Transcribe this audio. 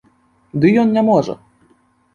Ды ён не можа.